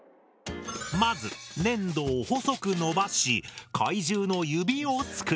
まず粘土を細く伸ばし怪獣の指を作る。